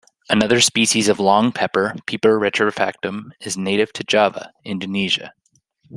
Another species of long pepper, "Piper retrofractum", is native to Java, Indonesia.